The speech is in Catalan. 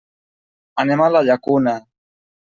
Anem a la Llacuna.